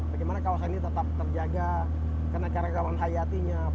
bagaimana kawasan ini tetap terjaga kena karyawan hayatinya floranya tetap bisa dihidupkan